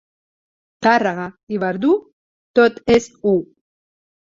Tàrrega i Verdú tot és u.